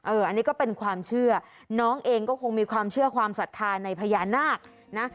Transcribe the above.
อันนี้ก็เป็นความเชื่อน้องเองก็คงมีความเชื่อความศรัทธาในพญานาคนะ